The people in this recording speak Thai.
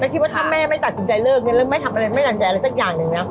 แล้วคิดว่าถ้าแม่ไม่ตัดสินใจเลิกแล้วไม่ทำอะไรไม่ดังใจอะไรสักอย่างหนึ่งนะ